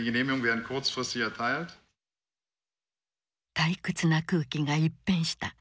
退屈な空気が一変した。